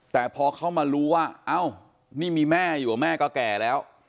แต่พอเขามารู้ว่าเอ้านี่มีแม่อยู่แม่ก็แก่แล้ว